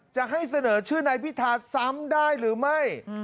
จะให้เสนอชื่อนายพิธาซ้ำได้หรือไม่